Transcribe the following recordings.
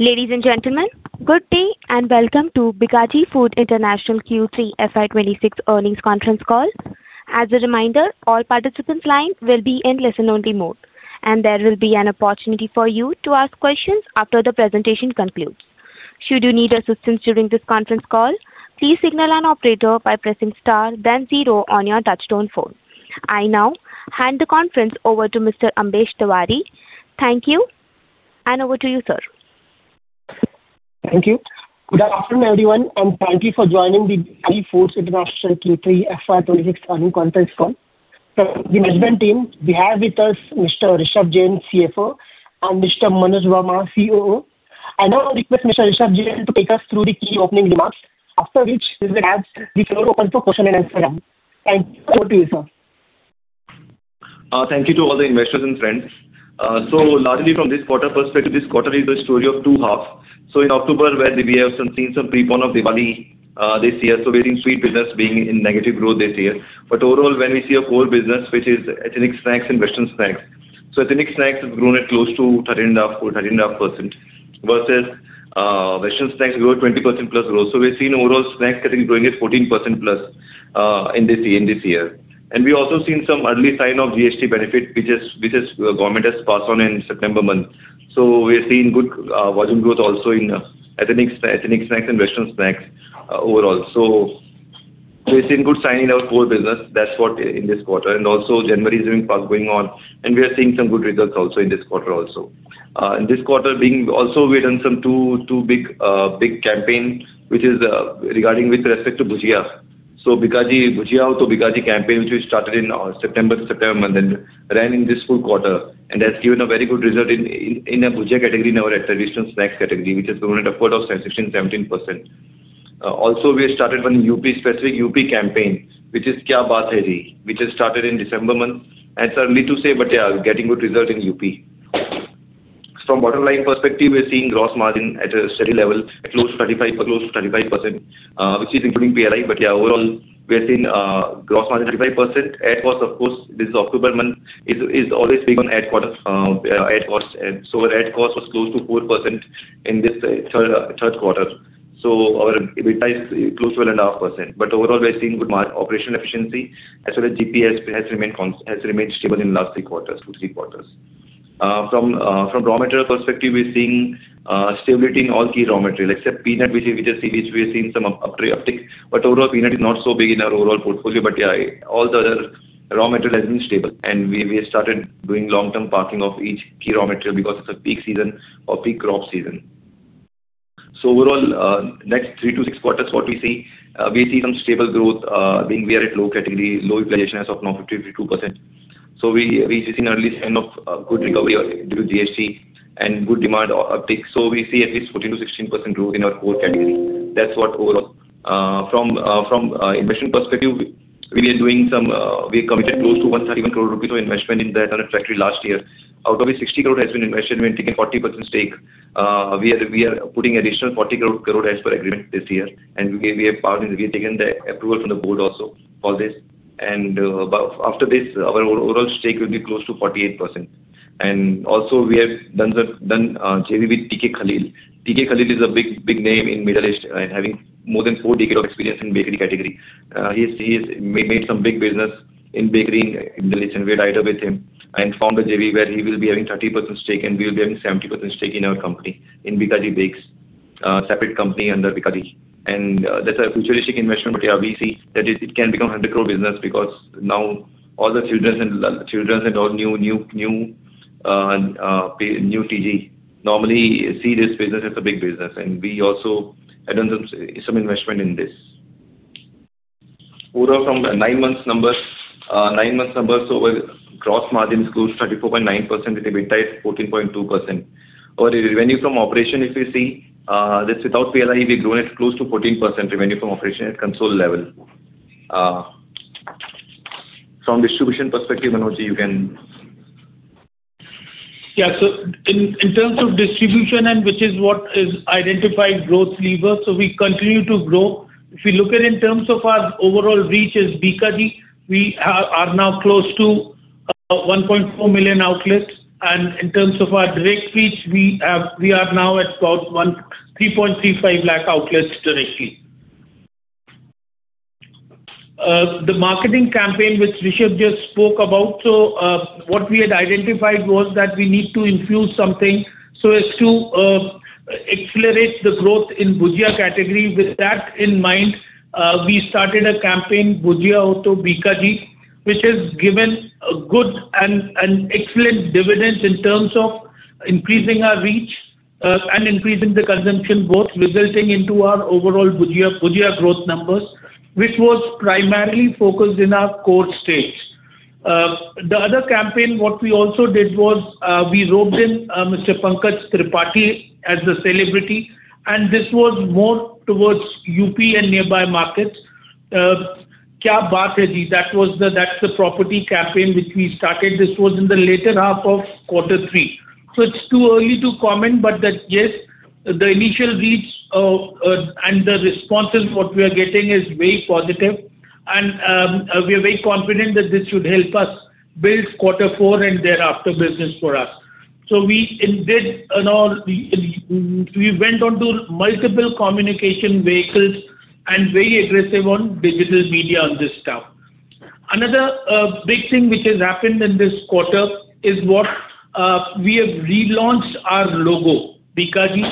Ladies and gentlemen, good day, and welcome to Bikaji Foods International Q3 FY 2026 earnings conference call. As a reminder, all participants line will be in listen-only mode, and there will be an opportunity for you to ask questions after the presentation concludes. Should you need assistance during this conference call, please signal an operator by pressing star then zero on your touch-tone phone. I now hand the conference over to Mr. Ambesh Tiwari. Thank you, and over to you, sir. Thank you. Good afternoon, everyone, and thank you for joining the Bikaji Foods International Q3 FY 2026 earnings conference call. From the management team, we have with us Mr. Rishabh Jain, CFO, and Mr. Manoj Verma, COO. I now request Mr. Rishabh Jain to take us through the key opening remarks, after which we will have the floor open for question and answer round. Thank you. Over to you, sir. Thank you to all the investors and friends. Largely from this quarter perspective, this quarter is a story of two halves. In October, where we have seen some preponement of Diwali, this year, we're seeing sweet business being in negative growth this year. But overall, when we see a core business, which is Ethnic Snacks and Western Snacks. Ethnic Snacks has grown at close to 13.5%-14.5%, versus Western Snacks grow 20%+ growth. We've seen overall snack category growing at 14%+, in this year. And we also seen some early sign of GST benefit, which is, which is, government has passed on in September month. We are seeing good volume growth also in ethnic, Ethnic Snacks and Western Snacks, overall. So we've seen good signs in our core business. That's what in this quarter, and also January is doing pretty good going on, and we are seeing some good results also in this quarter also. In this quarter, we've also done some two big campaigns, which is regarding with respect to Bhujia. So Bhujia Ho Toh Bikaji campaign, which we started in September month, and ran in this full quarter, and has given a very good result in a Bhujia category, in our traditional snacks category, which has grown at upward of 16, 17%. Also, we have started one UP-specific UP campaign, which is Kya Baat Hai Ji!!, which has started in December month. And it's early to say, but yeah, getting good result in UP. From bottom line perspective, we are seeing gross margin at a steady level, at close to 35, close to 35%, which is including PLI. But yeah, overall, we are seeing gross margin 35%. Ad cost, of course, this is October month, is always big on ad quarter, ad costs. And so our ad cost was close to 4% in this third quarter. So our EBITDA is close to 1.5%. But overall, we are seeing good operational efficiency, as well as GST has remained stable in last three quarters, two, three quarters. From raw material perspective, we're seeing stability in all key raw material, except peanut, which we are seeing some uptick, but overall peanut is not so big in our overall portfolio. Yeah, all the other raw material has been stable, and we have started doing long-term parking of each key raw material because it's a peak season or peak crop season. So overall, next 3-6 quarters, what we see, we see some stable growth, being we are at low category, low inflation as of now, 50-52%. So we are seeing early sign of good recovery due to GST and good demand uptick, so we see at least 14%-16% growth in our core category. That's what overall. From investment perspective, we are doing some, we committed close to 131 crore rupees to investment in the Dhara factory last year. Out of it, 60 crore has been invested, we have taken 40% stake. We are putting additional 40 crore as per agreement this year, and we have passed, we have taken the approval from the board also for this. But after this, our overall stake will be close to 48%. And also, we have done the JV with T.K. Khaleel. T.K. Khaleel is a big name in Middle East, having more than 4 decades of experience in bakery category. He has made some big business in bakery in Middle East, and we tied up with him and formed a JV, where he will be having 30% stake, and we will be having 70% stake in our company, in Bikaji Bakes, separate company under Bikaji. And, that's a futuristic investment, but, yeah, we see that it can become hundred-crore business, because now all the children and all new TG normally see this business as a big business, and we also have done some investment in this. Overall, from the nine months numbers, so our gross margin is close to 34.9%, with EBITDA is 14.2%. Our revenue from operation, if you see, that's without PLI, we've grown at close to 14% revenue from operation at console level. From distribution perspective, Manoj, you can— Yeah. So in terms of distribution and which is what is identified growth lever, so we continue to grow. If you look at in terms of our overall reach as Bikaji, we are now close to 1.4 million outlets, and in terms of our direct reach, we are now at about 3.35 lakh outlets directly. The marketing campaign, which Rishabh just spoke about, so what we had identified was that we need to infuse something so as to accelerate the growth in Bhujia category. With that in mind, we started a campaign, Bhujia Ho Toh Bikaji, which has given a good and an excellent dividend in terms of increasing our reach and increasing the consumption both, resulting into our overall Bhujia growth numbers, which was primarily focused in our core states. The other campaign, what we also did was, we roped in, Mr. Pankaj Tripathi as the celebrity, and this was more towards UP and nearby markets. Kya Baat Hai Ji!, that was the, that's the property campaign, which we started. This was in the later half of quarter three. So it's too early to comment, but that, yes, the initial reach, and the responses what we are getting is very positive. And, we are very confident that this should help us build quarter four and thereafter business for us. So we, in this, you know, we, we went on to multiple communication vehicles and very aggressive on digital media on this stuff. Another, big thing which has happened in this quarter is what, we have relaunched our logo, Bikaji.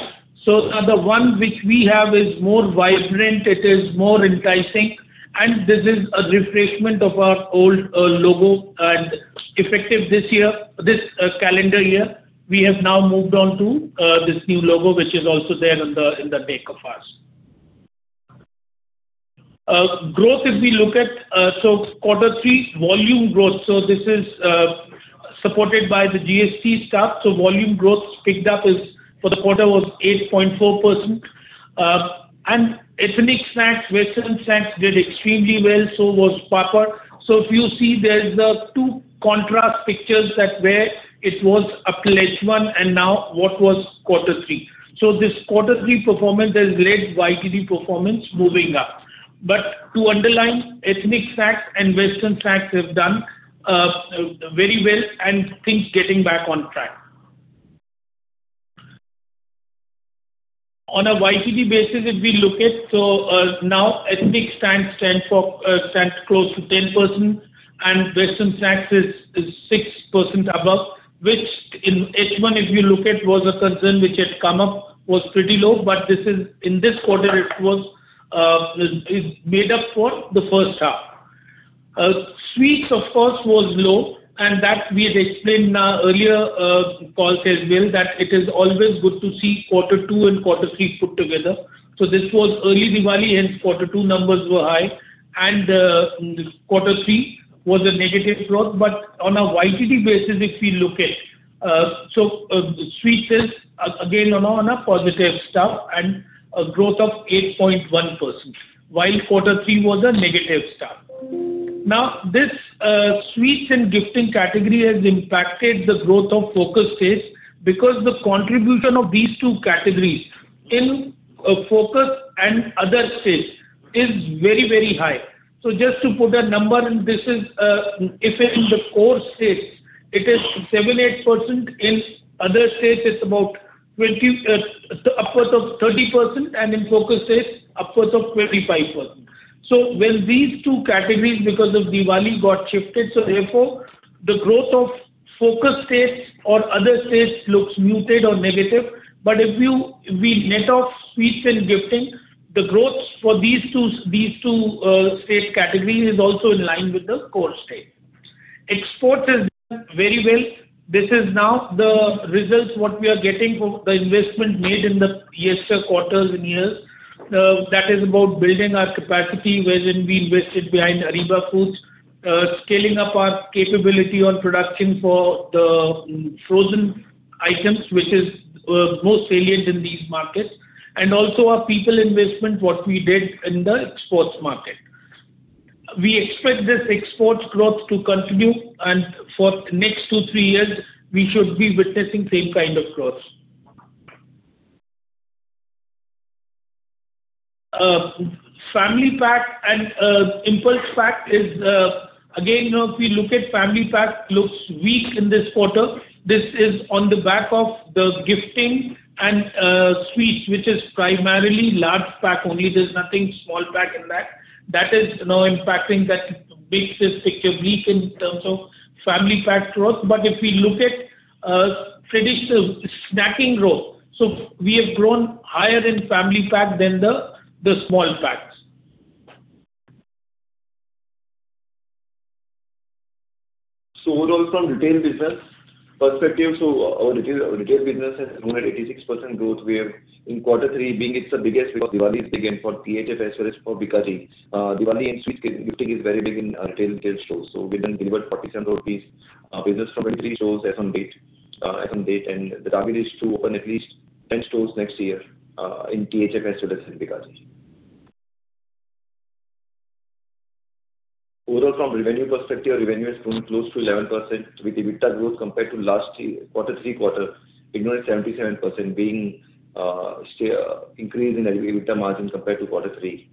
So the one which we have is more vibrant, it is more enticing, and this is a refreshment of our old logo, and effective this year, this calendar year, we have now moved on to this new logo, which is also there in the deck of ours. Growth, if we look at, so quarter three volume growth, so this is supported by the GST stuff. So volume growth picked up is for the quarter was 8.4%. And Ethnic Snacks, Western Snacks did extremely well, so was Papad. So if you see, there's two contrast pictures that where it was a Q1, and now what was quarter three. So this quarter three performance has led YTD performance moving up. But to underline, Ethnic Snacks and Western Snacks have done very well and things getting back on track. On a YTD basis, if we look at, so now Ethnic Snacks stand for stand close to 10%, and Western Snacks is is 6% above, which in H1, if you look at, was a concern which had come up, was pretty low, but this is in this quarter, it was is made up for the first half. Sweets, of course, was low, and that we had explained earlier, Pulse as well, that it is always good to see quarter two and quarter three put together. So this was early Diwali, hence quarter two numbers were high, and quarter three was a negative growth. But on a YTD basis, if we look at, so, Sweets is again, you know, on a positive note and a growth of 8.1%, while quarter three was a negative note. Now, this, sweets and gifting category has impacted the growth of focus states, because the contribution of these two categories in, focus and other states is very, very high. So just to put a number, and this is, if in the core states, it is 7%-8%, in other states, it's about 20%, upwards of 30%, and in focus states, upwards of 25%. So when these two categories, because of Diwali, got shifted, so therefore the growth of focus states or other states looks muted or negative. But if you—we net off sweets and gifting, the growth for these two, these two, state categories is also in line with the core state. Exports has done very well. This is now the results, what we are getting from the investment made in the yester quarters and years. That is about building our capacity, wherein we invested behind Ariba Foods, scaling up our capability on production for the frozen items, which is, most salient in these markets, and also our people investment, what we did in the exports market. We expect this export growth to continue, and for next 2, 3 years, we should be witnessing same kind of growth. Family pack and, impulse pack is, again, you know, if we look at family pack, looks weak in this quarter. This is on the back of the gifting and sweets, which is primarily large pack only. There's nothing small pack in that. That is now impacting that makes this picture weak in terms of family pack growth. But if we look at traditional snacking growth, so we have grown higher in family pack than the small packs. So overall, from retail business perspective, so our retail, our retail business has grown at 86% growth. We have in quarter three, being it's the biggest week of Diwali is big, and for THF as well as for Bikaji. Diwali and sweets gifting is very big in, retail stores. So we then delivered 47 crore rupees business from 23 stores as on date, as on date, and the target is to open at least 10 stores next year, in THF as well as in Bikaji. Overall, from revenue perspective, our revenue has grown close to 11%, with EBITDA growth compared to last year, quarter three quarter, ignoring 77% being, stay, increase in EBITDA margin compared to quarter three.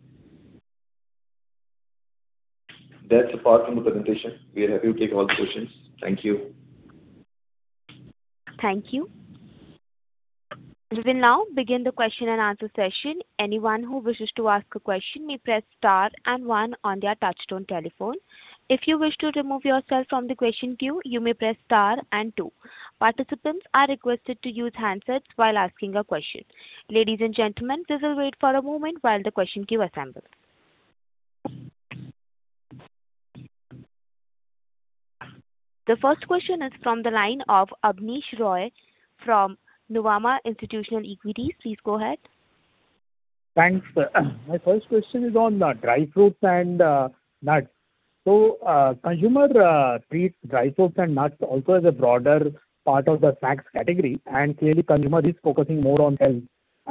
That's the part from the presentation. We are happy to take all the questions. Thank you. Thank you. We will now begin the question-and-answer session. Anyone who wishes to ask a question may press star and one on their touch-tone telephone. If you wish to remove yourself from the question queue, you may press star and two. Participants are requested to use handsets while asking a question. Ladies and gentlemen, please wait for a moment while the question queue assembles. The first question is from the line of Abneesh Roy from Nuvama Institutional Equities. Please go ahead. Thanks. My first question is on, dry fruits and, nuts. So, consumer treats dry fruits and nuts also as a broader part of the snacks category, and clearly consumer is focusing more on health.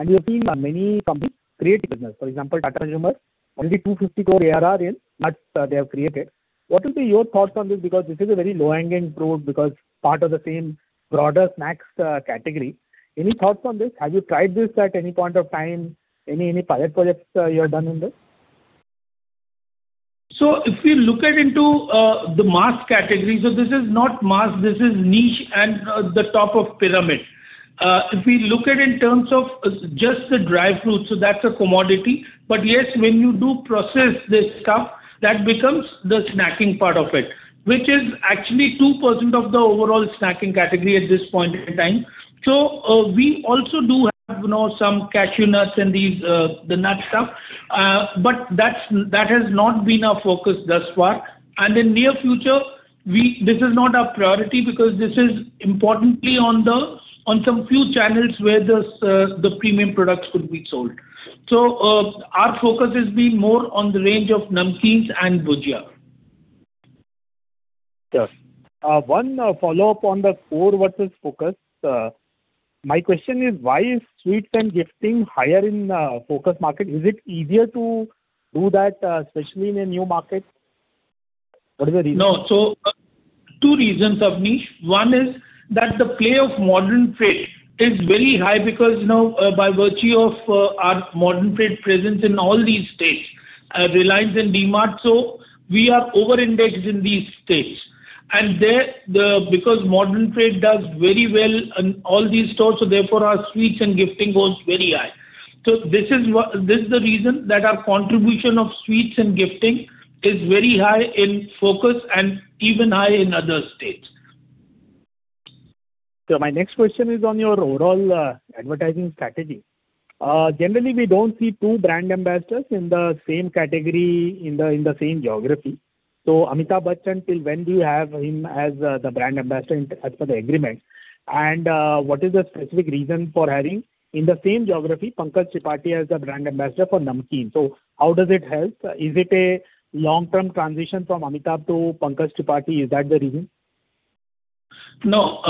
We have seen many companies create business. For example, Tata Consumer, only 250 crore ARR in nuts they have created. What will be your thoughts on this? Because this is a very low-hanging fruit, because part of the same broader snacks, category. Any thoughts on this? Have you tried this at any point of time, any pilot projects, you have done in this? So if you look into the mass category, so this is not mass, this is niche and the top of pyramid. If we look at in terms of just the dry fruits, so that's a commodity. But yes, when you do process this stuff, that becomes the snacking part of it, which is actually 2% of the overall snacking category at this point in time. So we also do have, you know, some cashew nuts and these, the nut stuff, but that has not been our focus thus far. And in near future, this is not our priority, because this is importantly on some few channels where the premium products could be sold. So our focus has been more on the range of Namkeens and Bhujia. Yes. One follow-up on the core versus focus. My question is, why is sweets and gifting higher in focus market? Is it easier to do that, especially in a new market? What is the reason? No. So, two reasons of niche. One is that the play of modern trade is very high because, you know, by virtue of, our modern trade presence in all these states, Reliance and DMart, so we are over-indexed in these states. And there, the—because modern trade does very well in all these stores, so therefore, our sweets and gifting goes very high. So this is this is the reason that our contribution of sweets and gifting is very high in focus and even higher in other states. So my next question is on your overall, advertising strategy. Generally, we don't see two brand ambassadors in the same category, in the, in the same geography. So Amitabh Bachchan, till when do you have him as, the brand ambassador as per the agreement? And, what is the specific reason for having in the same geography, Pankaj Tripathi as the brand ambassador for Namkeen? So how does it help? Is it a long-term transition from Amitabh to Pankaj Tripathi, is that the reason? No.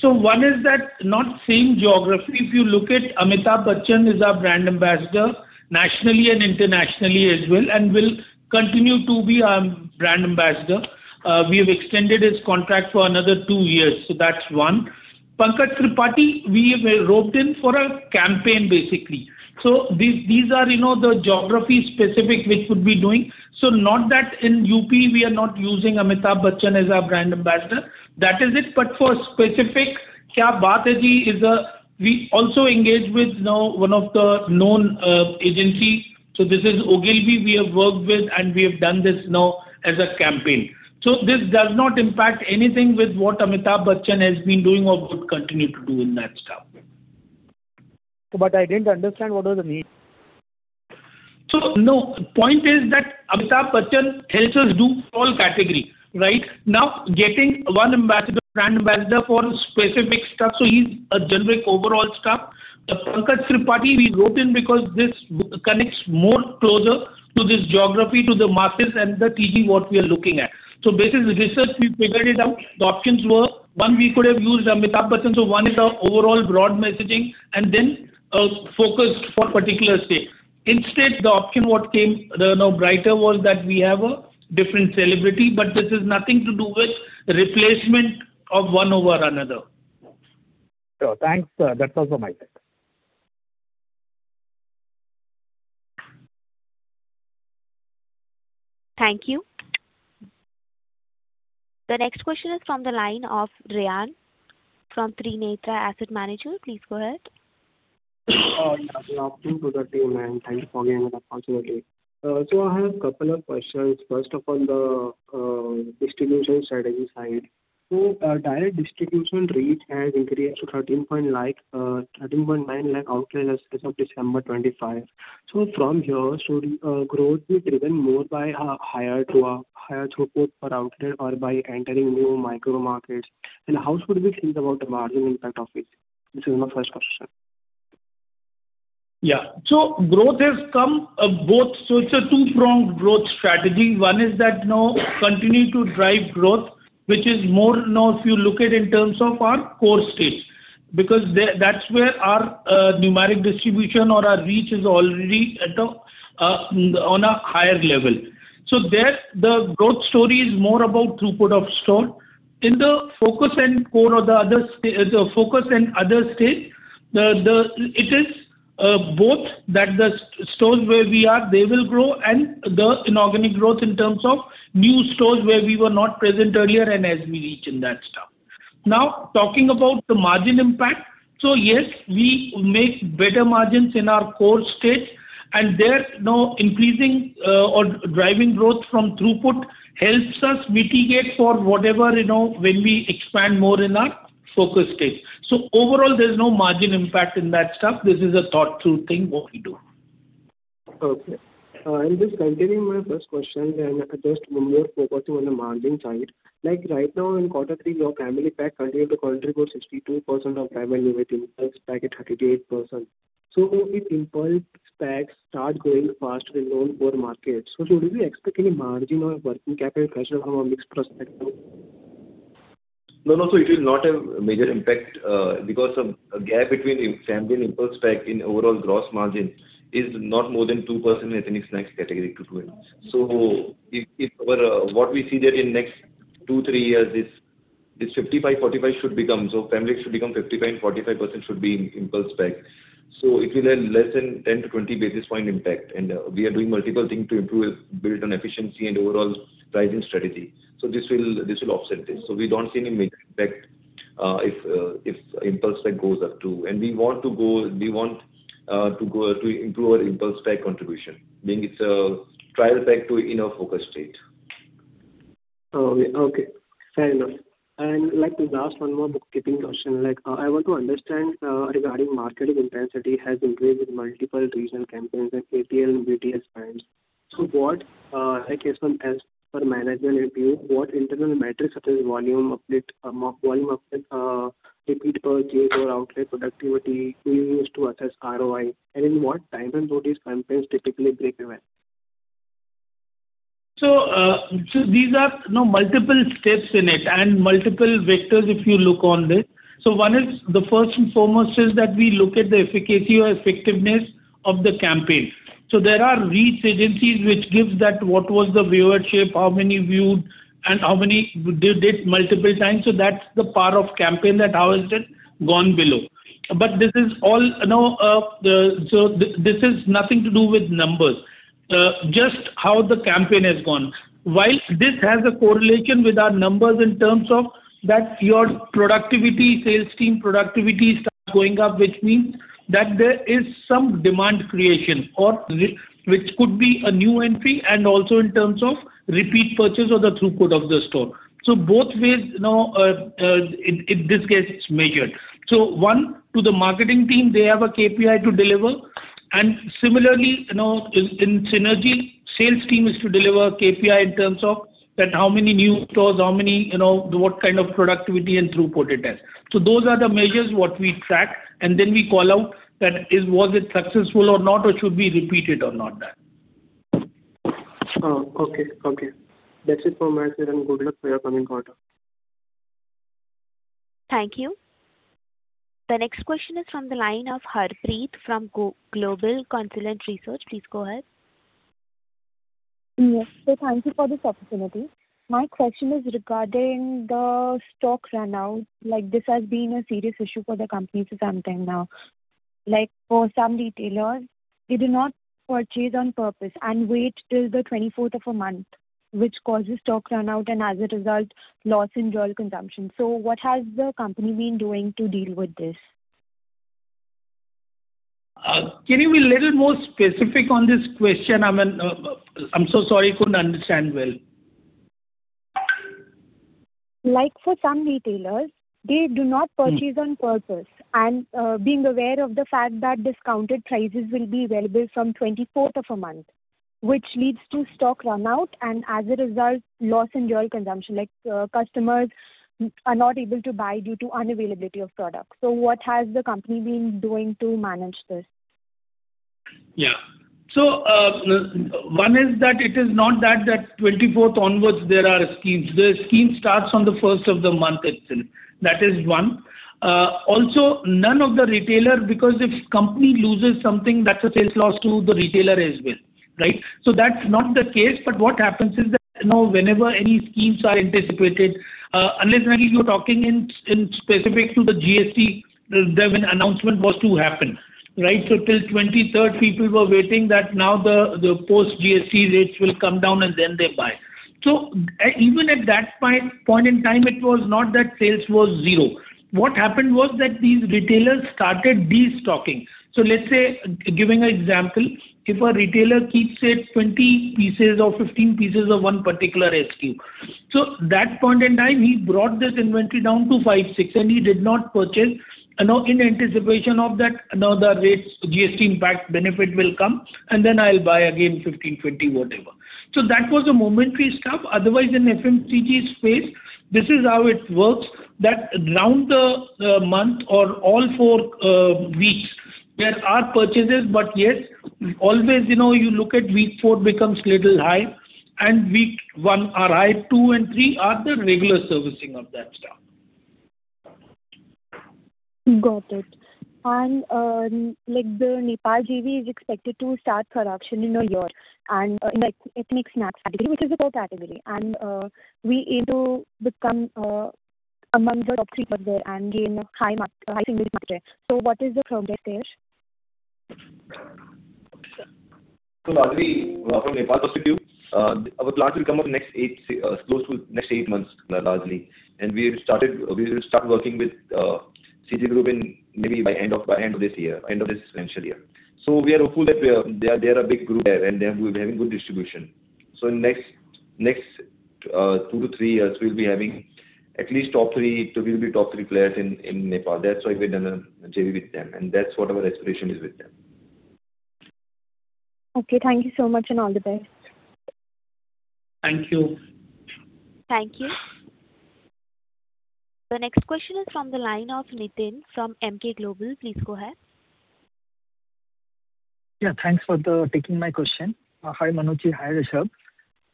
So one is that, not same geography. If you look at Amitabh Bachchan is our brand ambassador, nationally and internationally as well, and will continue to be our brand ambassador. We have extended his contract for another two years, so that's one. Pankaj Tripathi, we have roped in for a campaign, basically. So these, these are, you know, the geography-specific which we'll be doing. So not that in UP we are not using Amitabh Bachchan as our brand ambassador. That is it. But for specific Kya Baat Hai Ji! is, we also engage with, you know, one of the known agency. So this is Ogilvy we have worked with, and we have done this now as a campaign. So this does not impact anything with what Amitabh Bachchan has been doing or would continue to do in that stuff. I didn't understand what was the need? So, no, point is that Amitabh Bachchan helps us do all category, right? Now, getting one ambassador, brand ambassador for specific stuff, so he's a generic overall stuff. The Pankaj Tripathi, we roped in because this connects more closer to this geography, to the masses and the TG, what we are looking at. So based on the research, we figured it out. The options were, one, we could have used Amitabh Bachchan, so one is our overall broad messaging, and then, focused for particular state. Instead, the option what came, you know, brighter was that we have a different celebrity, but this is nothing to do with replacement of one over another. Sure. Thanks, that was on my side. Thank you. The next question is from the line of Rehan, from Trinetra Asset Manager. Please go ahead. Good afternoon to the team, and thank you for giving me the opportunity. So I have a couple of questions. First of all, the distribution strategy side. So, direct distribution reach has increased to thirteen point like, 13.9 lakh outlets as of December 2025. So from here, so the growth will be driven more by a higher throughput per outlet or by entering new micro markets. And how should we think about the margin impact of it? This is my first question. Yeah. So growth has come both. So it's a two-pronged growth strategy. One is that, you know, continue to drive growth, which is more, you know, if you look at in terms of our core states, because that's where our numeric distribution or our reach is already at a higher level. So there, the growth story is more about throughput of store. In the focus and other states, it is both that the stores where we are, they will grow, and the inorganic growth in terms of new stores where we were not present earlier and as we reach in that stuff. Now, talking about the margin impact, so yes, we make better margins in our core states, and there, now, increasing or driving growth from throughput helps us mitigate for whatever, you know, when we expand more in our focus states. So overall, there's no margin impact in that stuff. This is a thought through thing, what we do. Okay. And just continuing my first question and just more focusing on the margin side. Like right now in quarter three, your family pack continue to contribute 62% of revenue with impulse pack at 38%. So if impulse packs start growing faster in non-core markets, so do we expect any margin or working capital pressure from a mix perspective? No, no, so it will not have major impact, because of a gap between the family and impulse pack in overall gross margin is not more than 2% in Ethnic Snacks category today. So if what we see that in next 2-3 years, this 55/45 should become. So family should become 55% and 45% should be in impulse pack. So it will have less than 10-20 basis points impact, and we are doing multiple things to improve, build on efficiency and overall pricing strategy. So this will offset this. So we don't see any major impact, if impulse pack goes up, too. And we want to go we want to go to improve our impulse pack contribution, meaning it's a trial pack too in a focus state. Oh, okay. Fair enough. Like the last one, more bookkeeping question. Like I want to understand regarding marketing intensity has increased with multiple regional campaigns like ATL and BTL brands. So what, like as per management review, what internal metrics, such as volume uptake, repeat purchase or outlet productivity do you use to assess ROI, and in what time frame do these campaigns typically break even? So, so these are now multiple steps in it and multiple vectors if you look on this. So one is, the first and foremost is that we look at the efficacy or effectiveness of the campaign. So there are reach agencies which gives that what was the viewership, how many viewed, and how many they did multiple times. So that's the power of campaign, that how has it gone below. But this is all, you know, this is nothing to do with numbers, just how the campaign has gone. While this has a correlation with our numbers in terms of that your productivity, sales team productivity starts going up, which means that there is some demand creation or which could be a new entry and also in terms of repeat purchase or the throughput of the store. So both ways, you know, in this case, it's measured. So one, to the marketing team, they have a KPI to deliver, and similarly, you know, in synergy, sales team is to deliver KPI in terms of that how many new stores, how many, you know, what kind of productivity and throughput it has. So those are the measures what we track, and then we call out that is, was it successful or not, or should we repeat it or not that. Oh, okay. Okay. That's it for my side, and good luck for your coming quarter. Thank you. The next question is from the line of Harpreet from Go-Global Consultants Research. Please go ahead. Yes. So thank you for this opportunity. My question is regarding the stock run out, like this has been a serious issue for the company for some time now. Like, for some retailers, they do not purchase on purpose and wait till the 24th of a month, which causes stock run out, and as a result, loss in dual consumption. So what has the company been doing to deal with this? Can you be little more specific on this question? I mean, I'm so sorry, couldn't understand well. Like, for some retailers, they do not purchase on purpose—and, being aware of the fact that discounted prices will be available from the 24th of a month, which leads to stock run out, and as a result, loss in dual consumption. Like, customers are not able to buy due to unavailability of products. So what has the company been doing to manage this? Yeah. So, one is that it is not that, that 24th onwards, there are schemes. The scheme starts on the 1st of the month itself. That is one. Also, none of the retailer, because if company loses something, that's a sales loss to the retailer as well, right? So that's not the case, but what happens is that, you know, whenever any schemes are anticipated, unless maybe you're talking in, in specific to the GST, there when announcement was to happen, right? So till 23rd, people were waiting that now the, the post GST rates will come down, and then they buy. So, even at that point, point in time, it was not that sales was zero. What happened was that these retailers started destocking. So let's say, giving an example, if a retailer keeps, say, 20 pieces or 15 pieces of one particular SKU, so at that point in time, he brought this inventory down to five, six, and he did not purchase. Now in anticipation of that, now the rates, GST impact benefit will come, and then I'll buy again 15, 20, whatever. So that was a momentary stuff, otherwise, in FMCG space, this is how it works, that around the month or all four weeks, there are purchases, but yet always, you know, you look at week four becomes little high, and week one are high, two and three are the regular servicing of that stuff. Got it. And, like, the Nepal JV is expected to start production in a year and, like, Ethnic Snacks category, which is a core category, and, we aim to become, among the top three player and gain high single market share. So what is the progress there? So largely, from Nepal perspective, our plant will come up next 8, close to next 8 months, largely. We have started, we will start working with CG Group in maybe by end of, by end of this year, end of this financial year. So we are hopeful that they are a big group there, and they will be having good distribution. So next 2-3 years, we'll be having at least top 3, to be the top 3 players in Nepal. That's why we've done a JV with them, and that's what our aspiration is with them. Okay, thank you so much, and all the best. Thank you. Thank you. The next question is from the line of Nitin from Emkay Global. Please go ahead. Yeah, thanks for the taking my question. Hi, Manoj. Hi, Rishabh.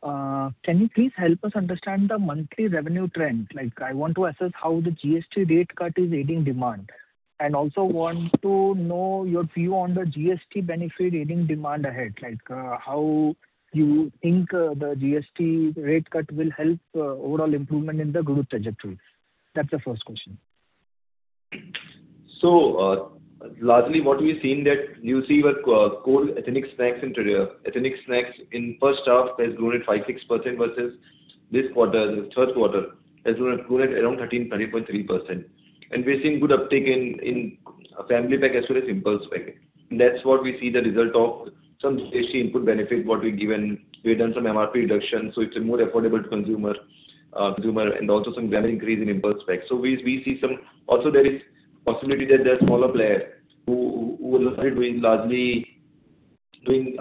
Can you please help us understand the monthly revenue trend? Like, I want to assess how the GST rate cut is aiding demand. And also want to know your view on the GST benefit aiding demand ahead, like, how you think, the GST rate cut will help, overall improvement in the growth trajectory? That's the first question. So, largely, what we've seen that you see where overall Ethnic Snacks and Ethnic Snacks in first half has grown at 5-6% versus this quarter, the third quarter, has grown at around 13%-13.3%. And we've seen good uptake in family pack as well as impulse pack. That's what we see the result of some GST input benefit, what we've given. We've done some MRP reduction, so it's more affordable to consumer, and also some value increase in impulse pack. So we see some. Also, there is possibility that there are smaller players who are largely not doing business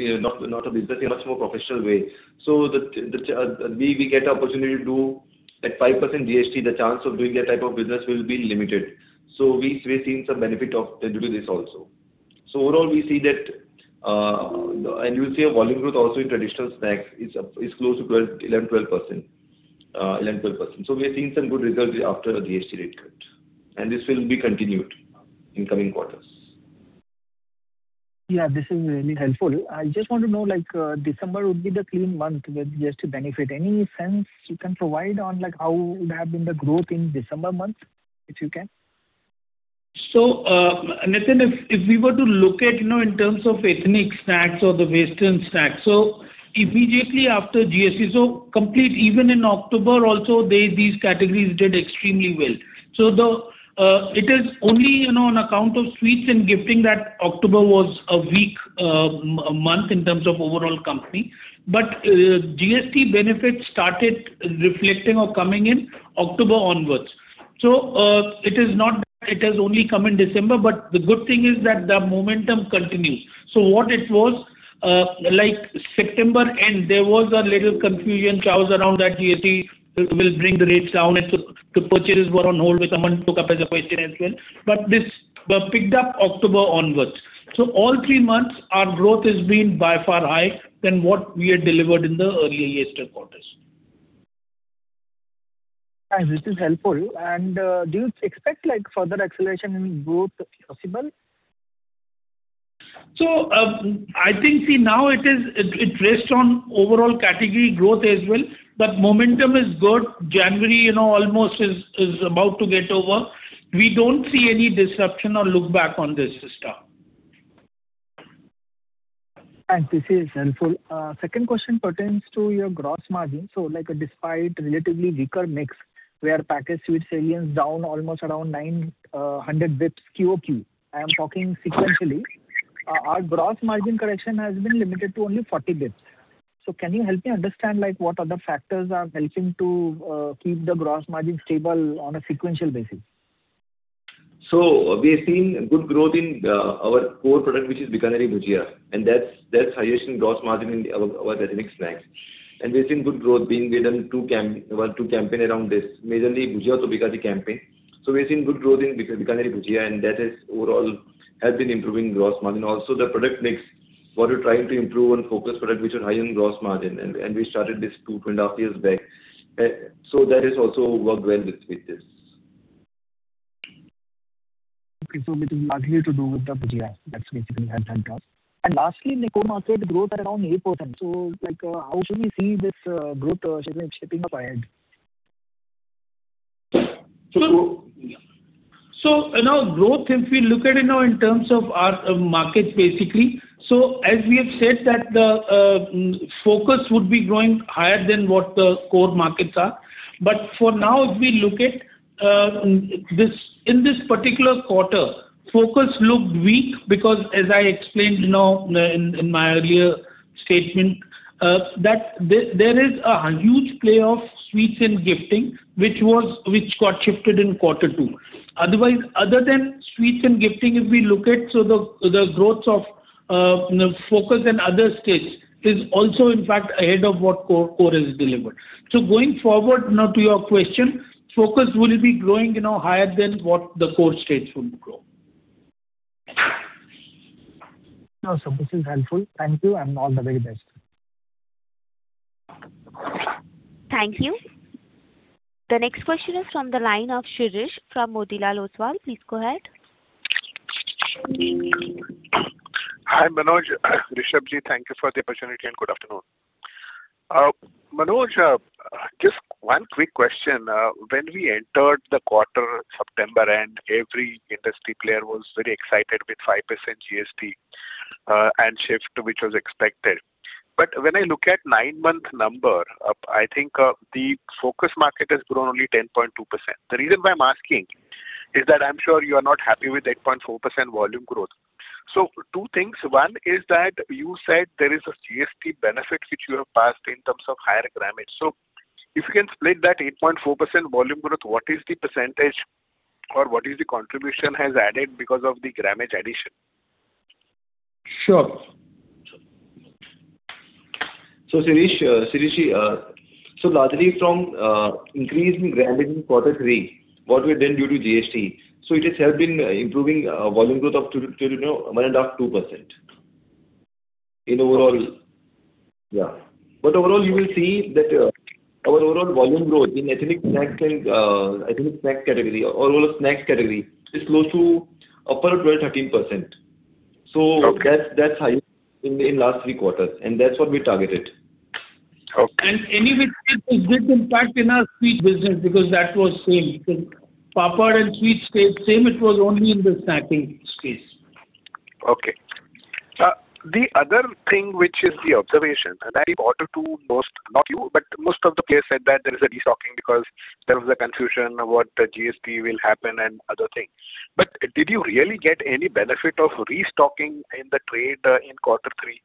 in a much more professional way. So we get the opportunity to do, like, 5% GST, the chance of doing that type of business will be limited. So we've seen some benefit of due to this also. So overall, we see that, and you'll see a volume growth also in traditional snacks. It's up, it's close to 11%, 12%. So we are seeing some good results after the GST rate cut, and this will be continued in coming quarters. Yeah, this is really helpful. I just want to know, like, December would be the clean month with GST benefit. Any sense you can provide on, like, how would have been the growth in December month, if you can? So, Nathan, if we were to look at, you know, in terms of Ethnic Snacks or the Western Snacks, so immediately after GST, so complete even in October also, they, these categories did extremely well. So the, it is only, you know, on account of sweets and gifting that October was a weak, month in terms of overall company. But, GST benefits started reflecting or coming in October onwards. So, it is not that it has only come in December, but the good thing is that the momentum continues. So what it was, like September end, there was a little confusion, chaos around that GST will bring the rates down, and so the purchasers were on hold, which someone took up as a question as well. But this picked up October onwards. All three months, our growth has been by far higher than what we had delivered in the earlier yesteryear quarters. Thanks, this is helpful. Do you expect, like, further acceleration in growth possible? I think, see, now it is based on overall category growth as well, but momentum is good. January, you know, almost is about to get over. We don't see any disruption or look-back on this season. Thanks, this is helpful. Second question pertains to your gross margin. So, like, despite relatively weaker mix, where Packaged Sweets volumes down almost around 900 basis points QoQ, I am talking sequentially. Our gross margin correction has been limited to only 40 basis points. So can you help me understand, like, what other factors are helping to keep the gross margin stable on a sequential basis? So we are seeing good growth in our core product, which is Bikaneri Bhujia, and that's highest in gross margin in our Ethnic Snacks. And we've seen good growth being given two campaigns around this, majorly Bhujia to Bikaneri campaign. So we've seen good growth in Bikaneri Bhujia, and that is overall has been improving gross margin. Also, the product mix, what we're trying to improve and focus product, which are high in gross margin, and we started this 2.5 years back. So that has also worked well with this. Okay. So which is largely to do with the Bhujia. That's basically I've done done. And lastly, in the core market, growth are around 8%. So, like, how should we see this, growth, shaping up ahead? You know, growth, if we look at it now in terms of our markets, basically, so as we have said, that the focus would be growing higher than what the core markets are. But for now, if we look at this, in this particular quarter, focus looked weak because, as I explained, you know, in my earlier statement, that there is a huge play of sweets and gifting, which got shifted in quarter two. Otherwise, other than sweets and gifting, if we look at, the growth of focus and other states is also, in fact, ahead of what core has delivered. So going forward, now to your question, focus will be growing, you know, higher than what the core states will grow. No, so this is helpful. Thank you and all the very best. Thank you. The next question is from the line of Shirish from Motilal Oswal. Please go ahead. Hi, Manoj. Rishabh, thank you for the opportunity, and good afternoon. Manoj, just one quick question. When we entered the quarter, September, and every industry player was very excited with 5% GST, and shift, which was expected. But when I look at nine-month number, I think, the focus market has grown only 10.2%. The reason why I'm asking is that I'm sure you are not happy with 8.4% volume growth. So two things: One is that you said there is a GST benefit which you have passed in terms of higher grammage. So if you can split that 8.4% volume growth, what is the percentage, or what is the contribution has added because of the grammage addition? Sure. So, Shirish ji, largely from increasing grammage in quarter three, what we did due to GST, so it has helped in improving volume growth of 1.5%-2% in overall, yeah. But overall, you will see that our overall volume growth in Ethnic Snacks and Ethnic Snack category, or all of snacks category, is close to 12%-13%. So— Okay. That's high in the last three quarters, and that's what we targeted. Okay. Anyway, didn't impact in our Sweets business, because that was same. Papad and Sweets stayed same, it was only in the snacking space. Okay. The other thing which is the observation, and that in order to most, not you, but most of the players said that there is a destocking because there was a confusion about the GST will happen and other things. But did you really get any benefit of restocking in the trade, in quarter three?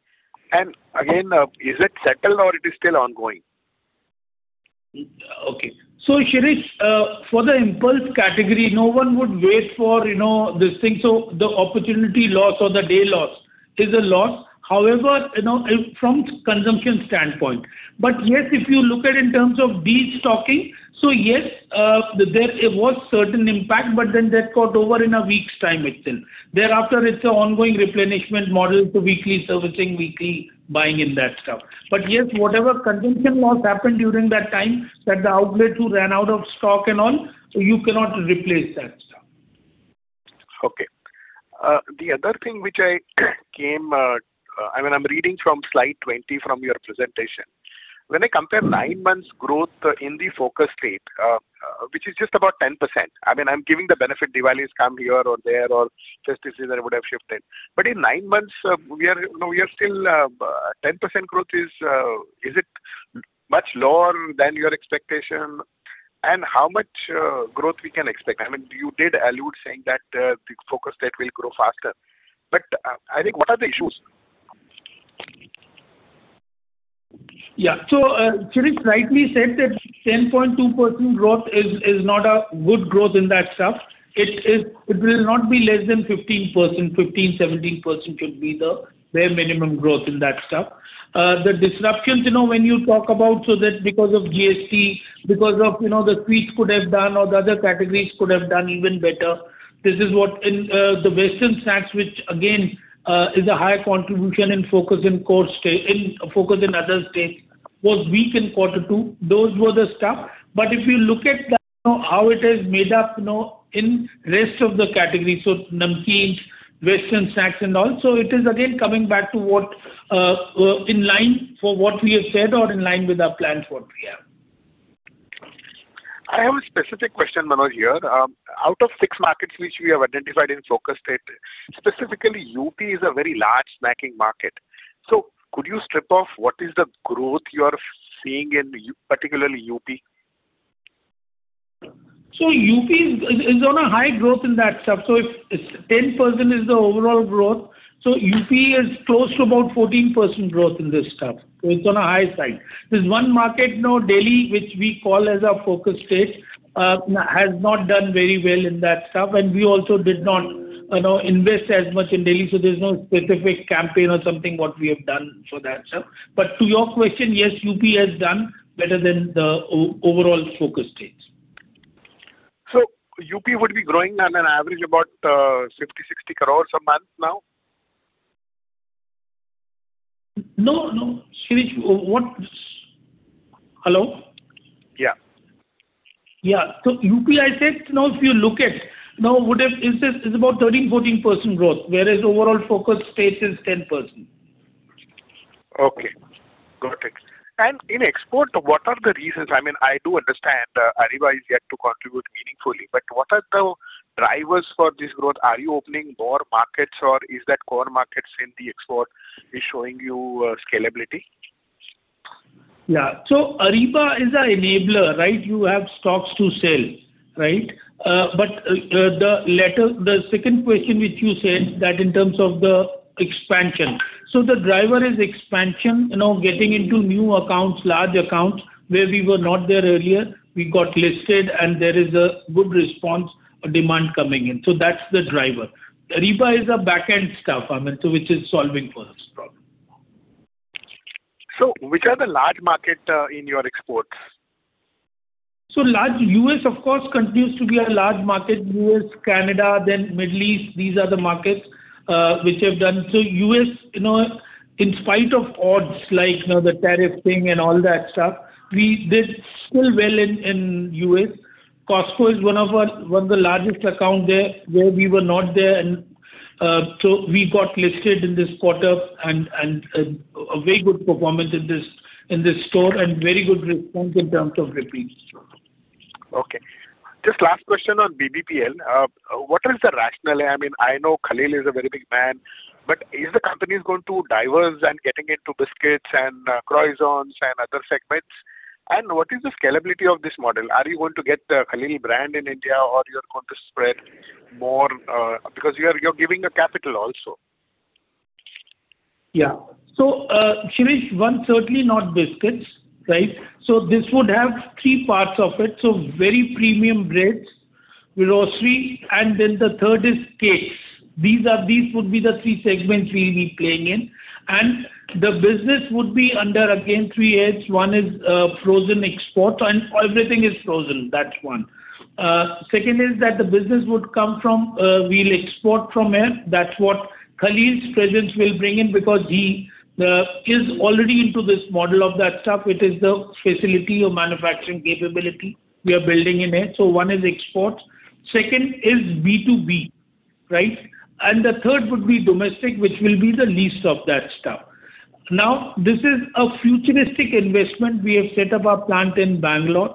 And again, is it settled or it is still ongoing? Okay. So Shirish, for the impulse category, no one would wait for, you know, this thing, so the opportunity loss or the day loss is a loss. However, you know, it from consumption standpoint. But yes, if you look at in terms of destocking, so yes, there it was certain impact, but then that got over in a week's time itself. Thereafter, it's an ongoing replenishment model to weekly servicing, weekly buying in that stuff. But yes, whatever consumption loss happened during that time, that the outlet who ran out of stock and all, so you cannot replace that stuff. Okay. The other thing which I came, I mean, I'm reading from slide 20 from your presentation. When I compare nine months growth in the focus state, which is just about 10%, I mean, I'm giving the benefit, Diwali's come here or there, or festivals there would have shifted. But in nine months, we are, you know, we are still, 10% growth is, is it much lower than your expectation? And how much, growth we can expect? I mean, you did allude saying that, the focus state will grow faster, but, I think, what are the issues? Yeah. So, Shirish rightly said that 10.2% growth is, is not a good growth in that stuff. It is. It will not be less than 15%, 15, 17% should be the bare minimum growth in that stuff. The disruptions, you know, when you talk about, so that because of GST, because of, you know, the sweets could have done, or the other categories could have done even better. This is what in the Western Snacks, which again, is a higher contribution and focus in core state—in focus in other states, was weak in quarter two. Those were the stuff. But if you look at the, you know, how it is made up, you know, in rest of the category, so Namkeens, Western Snacks and all. So it is again coming back to what, in line for what we have said or in line with our plan for this year. I have a specific question, Manoj, here. Out of six markets which we have identified in focus state, specifically UP is a very large snacking market. So could you strip off what is the growth you are seeing in particularly UP? So UP is on a high growth in that stuff. So if it's 10% is the overall growth, so UP is close to about 14% growth in this stuff. So it's on a high side. There's one market now, Delhi, which we call as our focus state, has not done very well in that stuff, and we also did not, you know, invest as much in Delhi, so there's no specific campaign or something what we have done for that stuff. But to your question, yes, UP has done better than the overall focus states. UP would be growing on an average, about 50 crore- 60 crore a month now? No, no. Shirish, what... Hello? Yeah. Yeah. So UP, I said, is about 13-14% growth, whereas overall focus state is 10%. Okay. Got it. And in export, what are the reasons? I mean, I do understand, Ariba is yet to contribute meaningfully, but what are the drivers for this growth? Are you opening more markets, or is that core markets in the export is showing you, scalability? Yeah. So Ariba is our enabler, right? You have stocks to sell, right? But, the latter, the second question which you said, that in terms of the expansion. So the driver is expansion, you know, getting into new accounts, large accounts, where we were not there earlier. We got listed, and there is a good response, a demand coming in. So that's the driver. Ariba is a back-end stuff, I mean, so which is solving for us problem. Which are the large market in your exports? So large, U.S., of course, continues to be a large market. U.S., Canada, then Middle East, these are the markets, which have done. So U.S., you know, in spite of odds, like, you know, the tariff thing and all that stuff, we did still well in, in U.S. Costco is one of our, one of the largest account there, where we were not there and, so we got listed in this quarter and, and, a very good performance in this, in this store, and very good response in terms of repeats. Okay. Just last question on BBPL. What is the rationale? I mean, I know Khaleel is a very big brand, but is the company is going to diverse and getting into biscuits and croissants and other segments? And what is the scalability of this model? Are you going to get the Khaleel brand in India, or you're going to spread more, because you're giving a capital also. Yeah. So, Shirish, one, certainly not biscuits, right? So this would have three parts of it. So very premium breads, grocery, and then the third is cakes. These are—these would be the three segments we will be playing in. And the business would be under, again, three legs. One is, frozen exports, and everything is frozen, that's one. Second is that the business would come from, we'll export from there. That's what Khaleel's presence will bring in, because he, is already into this model of that stuff, which is the facility or manufacturing capability we are building in it. So one is exports. Second is B2B, right? And the third would be domestic, which will be the least of that stuff. Now, this is a futuristic investment. We have set up our plant in Bengaluru,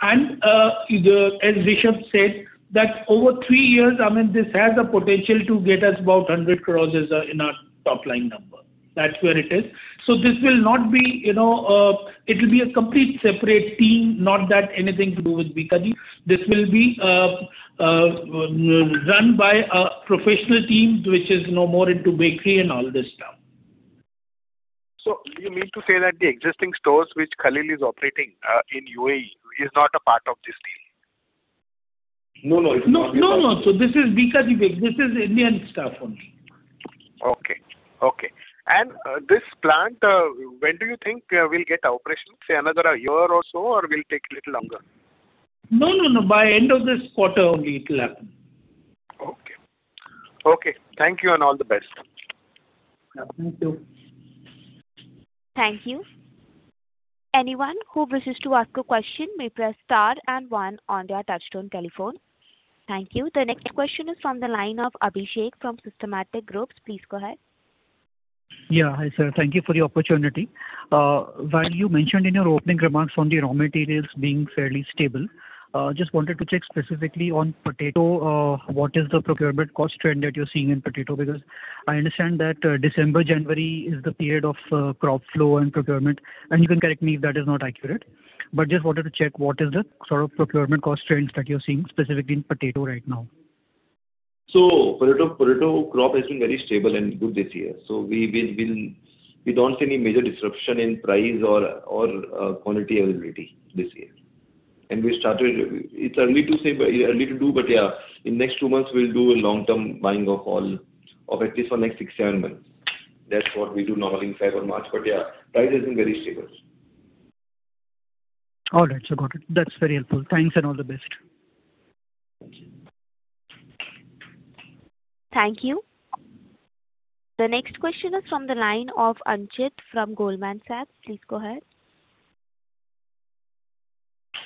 and, as Rishabh said, that over three years, I mean, this has the potential to get us about 100 crore as in our top line number. That's where it is. So this will not be, you know, it'll be a complete separate team, not that anything to do with Bikaji. This will be run by a professional team, which is now more into bakery and all this stuff. So you mean to say that the existing stores which Khaleel is operating, in UAE is not a part of this deal? No, no, it's not. No, no, no. So this is Bikaji Bakes. This is Indian staff only. Okay, okay. And, this plant, when do you think we'll get operational? Say, another a year or so, or will take a little longer? No, no, no. By end of this quarter only it'll happen. Okay. Okay, thank you, and all the best. Yeah, thank you. Thank you. Anyone who wishes to ask a question, may press star and one on their touch-tone telephone. Thank you. The next question is from the line of Abhishek from Systematix Group. Please go ahead. Yeah. Hi, sir. Thank you for the opportunity. While you mentioned in your opening remarks on the raw materials being fairly stable, just wanted to check specifically on potato, what is the procurement cost trend that you're seeing in potato? Because I understand that, December and January is the period of crop flow and procurement, and you can correct me if that is not accurate. But just wanted to check, what is the sort of procurement cost trends that you're seeing specifically in potato right now? So potato crop has been very stable and good this year. So we'll. We don't see any major disruption in price or quality availability this year. And we started, it's early to say, but early to do, but yeah, in next two months, we'll do a long-term buying of all, of at least for next six, seven months. That's what we do normally in February, March, but yeah, price has been very stable. All right, sir. Got it. That's very helpful. Thanks, and all the best. Thank you. Thank you. The next question is from the line of Anchit from Goldman Sachs. Please go ahead.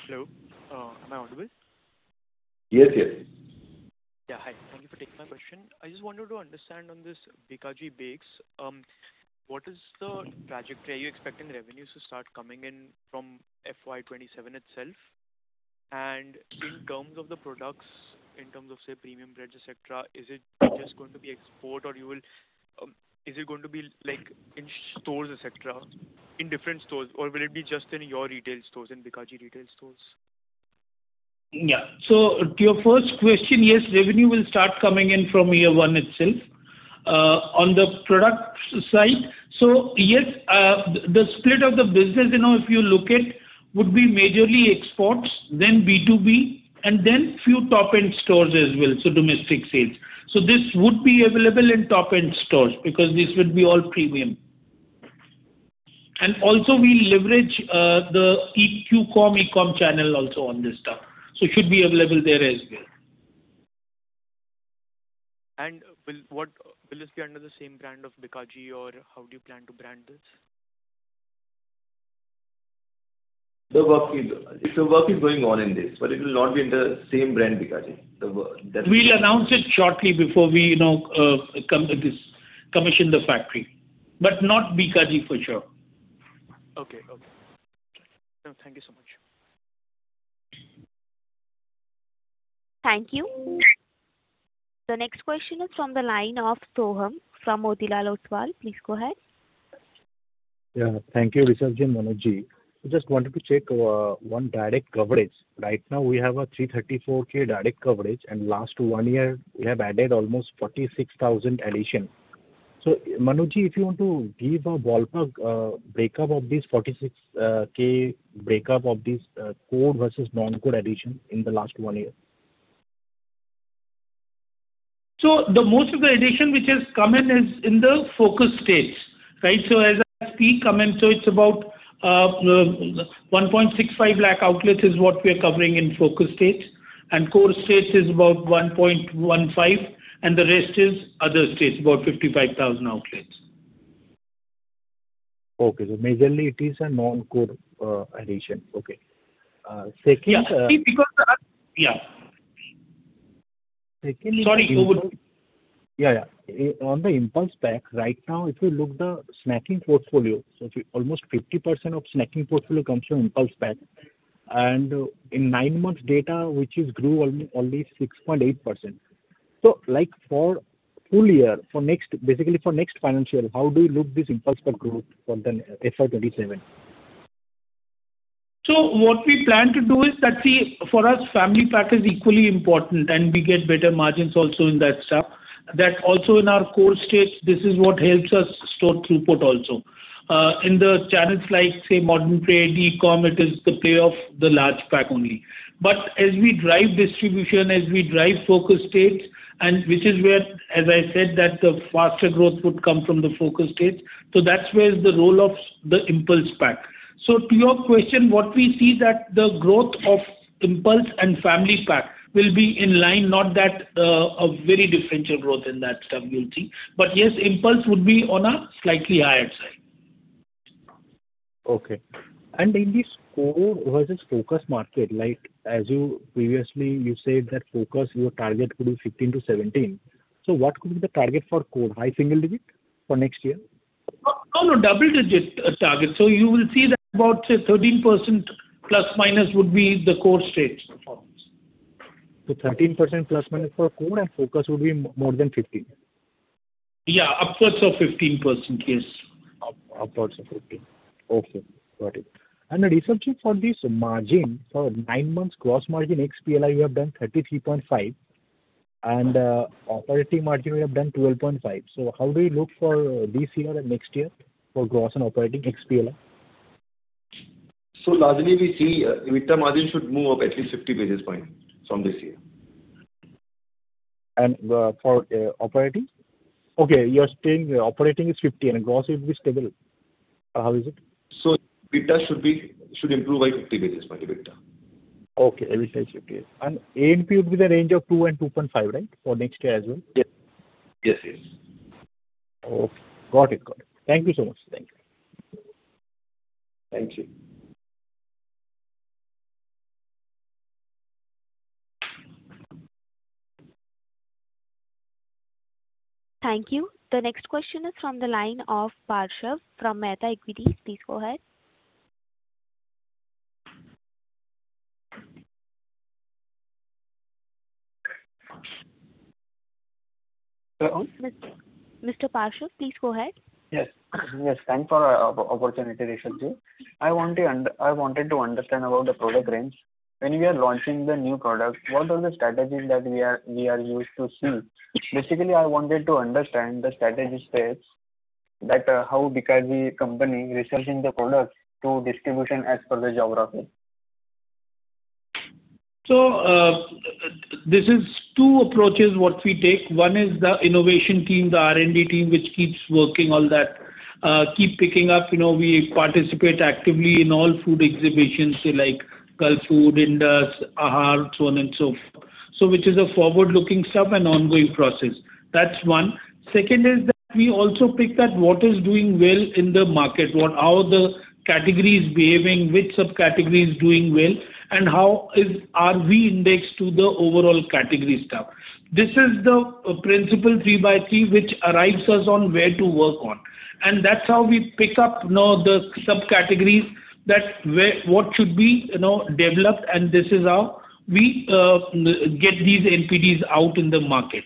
Hello, am I audible? Yes, yes. Yeah, hi. Thank you for taking my question. I just wanted to understand on this Bikaji Bakes, what is the trajectory? Are you expecting revenues to start coming in from FY 2027 itself? And in terms of the products, in terms of, say, premium breads, et cetera, is it just going to be export, or you will, is it going to be, like, in stores, et cetera, in different stores? Or will it be just in your retail stores, in Bikaji retail stores? Yeah. So to your first question, yes, revenue will start coming in from year one itself. On the product side, so yes, the, the split of the business, you know, if you look at, would be majorly exports, then B2B, and then few top-end stores as well, so domestic sales. So this would be available in top-end stores, because these will be all premium. And also we leverage, the e-qcom, e-com channel also on this stuff, so it should be available there as well. Will this be under the same brand of Bikaji, or how do you plan to brand this? The work is going on in this, but it will not be in the same brand, Bikaji. We'll announce it shortly before we, you know, commission the factory. But not Bikaji, for sure. Okay. Okay. So thank you so much. Thank you. The next question is from the line of Soham from Motilal Oswal. Please go ahead. Yeah, thank you, Rishabh ji and Manoj ji. I just wanted to check, one direct coverage. Right now we have a 334,000 direct coverage, and last one year, we have added almost 46,000 addition. So Manoj ji, if you want to give a ballpark, breakup of this 46,000 breakup of this, core versus non-core addition in the last one year. So the most of the addition which has come in is in the focus states, right? So as I see, so it's about 1.65 lakh outlets is what we're covering in focus states, and core states is about 1.15 lakh, and the rest is other states, about 55,000 outlets. Okay. So majorly it is a non-core addition. Okay. Second, Yeah, see, because—Yeah. Secondly— Sorry, you would— Yeah, yeah. On the impulse pack, right now, if you look the snacking portfolio, so if you, almost 50% of snacking portfolio comes from impulse pack, and in nine months data, which is grew only, only 6.8%. So like for full year, for next, basically for next financial, how do you look this impulse pack growth for the FY 2027? So what we plan to do is that, see, for us, family pack is equally important, and we get better margins also in that stuff. That also in our core states, this is what helps us store throughput also. In the channels like, say, modern trade, e-com, it is the play of the large pack only. But as we drive distribution, as we drive focus states—and which is where, as I said, that the faster growth would come from the focus states. So that's where the role of the impulse pack. So to your question, what we see that the growth of impulse and family pack will be in line, not that, a very differential growth in that stuff you will see. But yes, impulse would be on a slightly higher side. Okay. And in this core versus focus market, like as you previously said, that focus your target could be 15-17. So what could be the target for core, high single digit for next year? No, no, double-digit target. So you will see that about, say, 13% ± would be the core state performance. So 13% ± for core, and focus would be more than 15? Yeah, upwards of 15%, yes. Upwards of 15%. Okay, got it. And recently for this margin, for nine months, gross margin ex-PLI, you have done 33.5%, and operating margin you have done 12.5%. So how do you look for this year and next year for gross and operating ex-PLI? Largely we see EBITDA margin should move up at least 50 basis points from this year. For operating? Okay, you are saying operating is 50 and gross will be stable, or how is it? So EBITDA should be—should improve by 50 basis points, EBITDA. Okay, EBITDA is 50. AMP would be the range of 2-2.5, right? For next year as well. Yes. Yes, yes. Okay, got it. Got it. Thank you so much, sir. Thank you. Thank you. The next question is from the line of Parshv from Mehta Equities. Please go ahead. Hello? Mr. Parshv, please go ahead. Yes. Yes, thanks for the opportunity. I wanted to understand about the product range. When you are launching the new product, what are the strategies that we are used to see? Basically, I wanted to understand the strategy steps that how because the company researching the product to distribution as per the geography. So, this is two approaches what we take. One is the innovation team, the R&D team, which keeps working on that, keep picking up. You know, we participate actively in all food exhibitions, say, like, Gulf Food, Indus, Aahar, so on and so forth. So which is a forward-looking stuff and ongoing process. That's one. Second is that we also pick at what is doing well in the market, what how the category is behaving, which subcategory is doing well, and how is are we indexed to the overall category stuff. This is the principle 3x3, which arrives us on where to work on, and that's how we pick up, you know, the subcategories, that where what should be, you know, developed, and this is how we get these NPDs out in the market.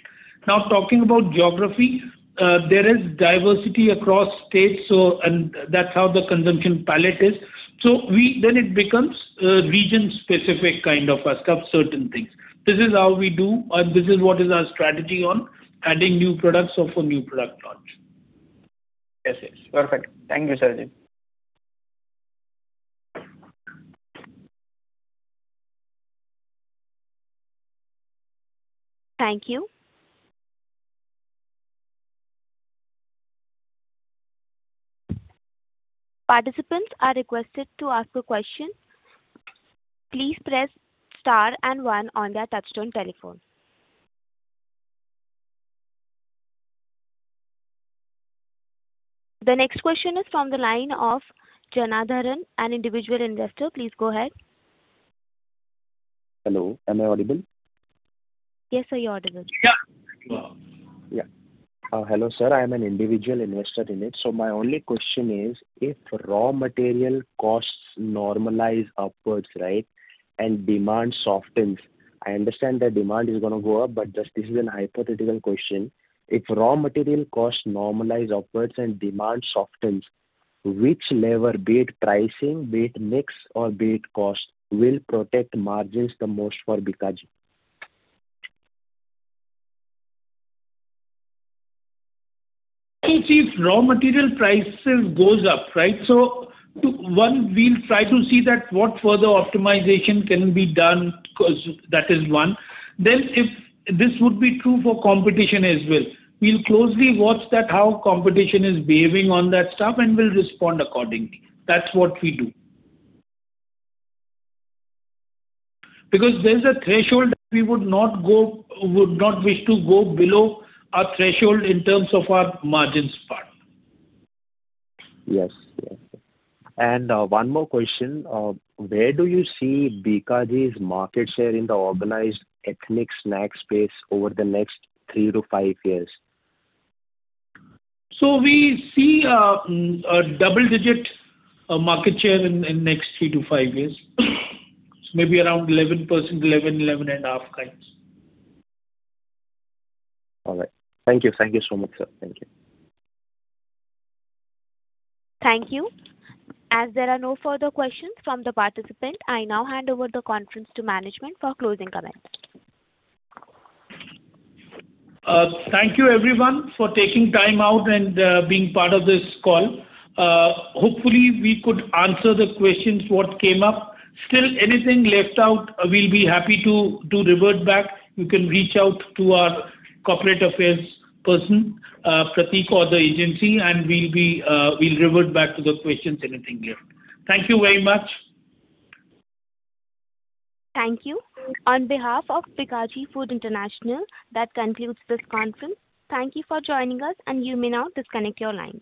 Now, talking about geography, there is diversity across states, so, and that's how the consumption palette is. So we—then it becomes region specific, kind of, as certain things. This is how we do and this is what is our strategy on adding new products or for new product launch. Yes, yes. Perfect. Thank you, Sir ji. Thank you. Participants are requested to ask a question, please press star and one on their touch-tone telephone. The next question is from the line of Janadharan, an individual investor. Please go ahead. Hello, am I audible? Yes, sir, you're audible. Yeah. Yeah. Hello, sir, I am an individual investor in it, so my only question is: if raw material costs normalize upwards, right, and demand softens, I understand that demand is going to go up, but just this is a hypothetical question. If raw material costs normalize upwards and demand softens, which lever, be it pricing, be it mix, or be it cost, will protect margins the most for Bikaji? If raw material prices goes up, right, so one, we'll try to see that what further optimization can be done, because that is one. Then, if this would be true for competition as well, we'll closely watch that, how competition is behaving on that stuff, and we'll respond accordingly. That's what we do. Because there's a threshold we would not go, would not wish to go below our threshold in terms of our margins part. Yes, yes. And, one more question. Where do you see Bikaji's market share in the organized ethnic snack space over the next three to five years? We see a double-digit market share in next 3-5 years. Maybe around 11%-11.5%. All right. Thank you. Thank you so much, sir. Thank you. Thank you. As there are no further questions from the participant, I now hand over the conference to management for closing comments. Thank you everyone for taking time out and, being part of this call. Hopefully, we could answer the questions what came up. Still anything left out, we'll be happy to, to revert back. You can reach out to our corporate affairs person, Prateek, or the agency, and we'll be, we'll revert back to the questions, anything left. Thank you very much. Thank you. On behalf of Bikaji Foods International, that concludes this conference. Thank you for joining us, and you may now disconnect your line.